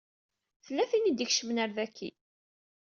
Tella tin i d-ikecmen ar daki.